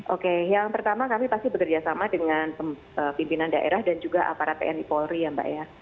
oke yang pertama kami pasti bekerjasama dengan pimpinan daerah dan juga aparat tni polri ya mbak ya